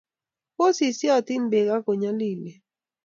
Ko sisiatin beek ak ko nyalilen